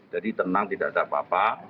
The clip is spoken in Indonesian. jadi tenang tidak ada apa apa